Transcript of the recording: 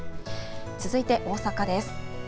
続いて大阪です。